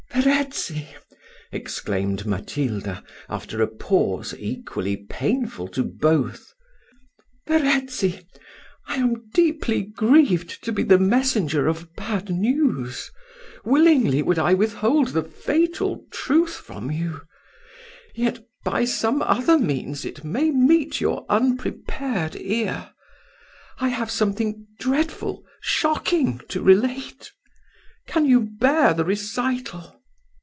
"Verezzi!" exclaimed Matilda, after a pause equally painful to both "Verezzi! I am deeply grieved to be the messenger of bad news willingly would I withhold the fatal truth from you; yet, by some other means, it may meet your unprepared ear. I have something dreadful, shocking, to relate: can you bear the recital?"